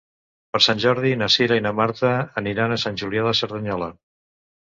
Per Sant Jordi na Cira i na Marta aniran a Sant Julià de Cerdanyola.